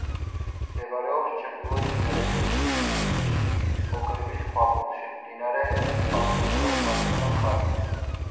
მდებარეობს ჩრდილოეთ იმერეთის მთისწინეთში, ოკრიბის ქვაბულში, მდინარე წყალწითელას მარცხენა მხარეს.